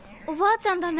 おばあちゃん